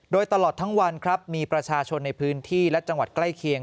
โดยตลอดทั้งวันครับมีประชาชนในพื้นที่และจังหวัดใกล้เคียง